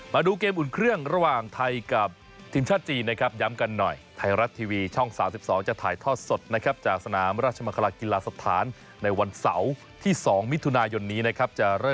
มาดูเกมอุณเครื่องระหว่างไทยกับทีมชาติจีนนะครับ